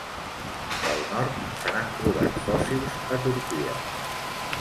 Pel nord, se n'han trobat fòssils a Turquia.